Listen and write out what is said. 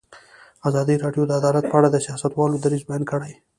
ازادي راډیو د عدالت په اړه د سیاستوالو دریځ بیان کړی.